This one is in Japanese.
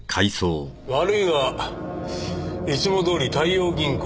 悪いがいつもどおり大洋銀行でいく。